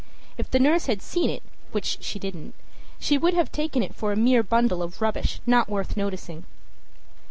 If the nurse had seen it, which she didn't, she would have taken it for a mere bundle of rubbish not worth noticing.